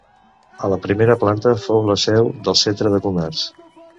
A la primera planta fou la seu del Centre de Comerç.